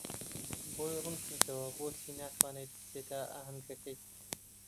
بۆی ڕوون کردەوە بۆچی ناتوانێت بچێتە ئاهەنگەکەی.